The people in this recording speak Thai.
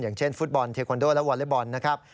อย่างเช่นฟุตบอลเทคอนโดและวอเล็กบอลนะครับ